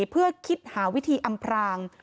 เพื่อคิดหาวิธีอำพราง